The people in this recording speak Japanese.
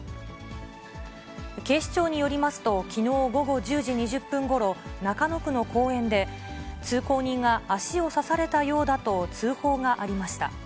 警視庁によりますと、きのう午後１０時２０分ごろ、中野区の公園で、通行人が足を刺されたようだと通報がありました。